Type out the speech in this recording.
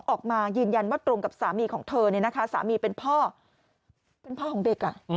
ออกมายืนยันว่าตรงกับสามีของเธอสามีเป็นพ่อเป็นพ่อของเด็ก